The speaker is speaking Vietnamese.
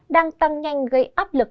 đang tăng nhanh gây áp lực